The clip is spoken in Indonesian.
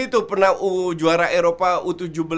inggris itu pernah juara eropa u tujuh belas